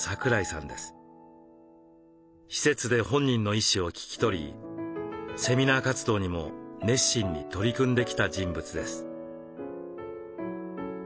施設で本人の意思を聞き取りセミナー活動にも熱心に取り組んできた人物です。